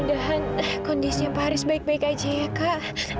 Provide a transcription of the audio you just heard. mudah mudahan kondisinya pak haris baik baik aja ya kak